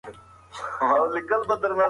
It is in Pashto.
د مدینې بېوزله خلک د غلام له مېوې برخمن شول.